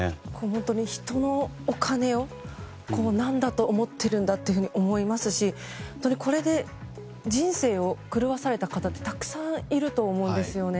人のお金を何だと思っているんだっていうふうに思いますし、本当にこれで人生を狂わされた方ってたくさんいると思うんですよね。